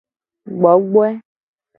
Gbogboe.